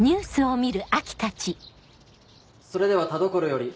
それでは田所より。